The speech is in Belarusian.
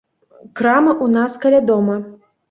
Крамы ў нас каля дома.